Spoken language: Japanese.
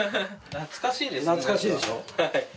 懐かしいでしょ。